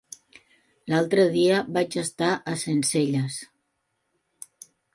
L'altre dia vaig estar a Sencelles.